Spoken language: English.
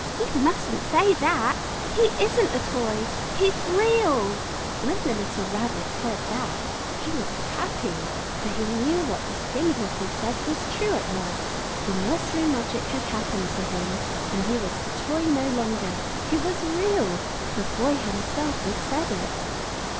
"You mustn't say that. He isn't a toy. He's REAL!" When the little Rabbit heard that he was happy, for he knew that what the Skin Horse had said was true at last. The nursery magic had happened to him, and he was a toy no longer. He was Real. The Boy himself had said it.